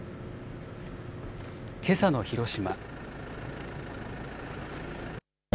けさの広島。